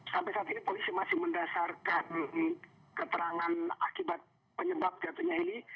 sampai saat ini polisi masih mendasarkan keterangan akibat penyebab jatuhnya ini